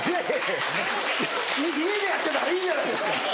家でやってんだからいいじゃないですか！